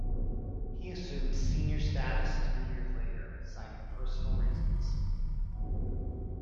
He assumed senior status three years later, citing personal reasons.